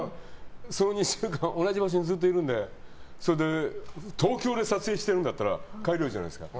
その２週間同じ場所にずっといるのでそれで東京で撮影しているなら帰れるじゃないですか。